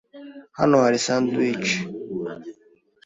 Hano hari sandwich.